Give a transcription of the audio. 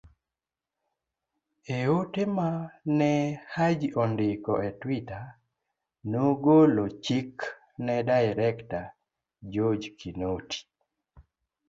E ote ma ne Haji ondiko e twitter, nogolo chik ne Director George Kinoti